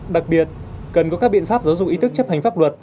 đặc biệt cần có các biện pháp giáo dục ý thức chấp hành pháp luật